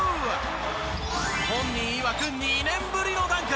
本人いわく２年ぶりのダンク。